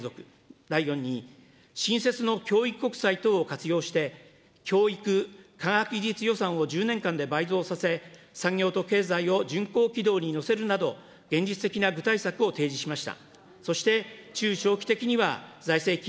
第４に、新設の教育国債等を活用して、教育科学技術予算を１０年間で倍増させ、産業と経済を巡航軌道に乗せるなど、現実的な具体策を提示しました。